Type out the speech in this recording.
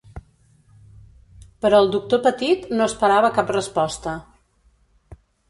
Però el doctor Petit no esperava cap resposta.